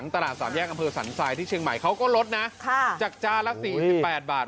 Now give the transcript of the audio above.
ตลาดสามแยกอำเภอสันทรายที่เชียงใหม่เขาก็ลดนะจากจานละ๔๘บาท